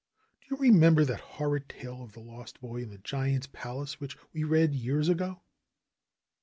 ^^Do you remember that horrid tale of the lost boy in the giant's palace which we read years ago